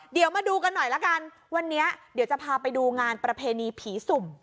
เดี๋ยวมาดูกันหน่อยละกันวันนี้เดี๋ยวจะพาไปดูงานประเพณีผีสุ่ม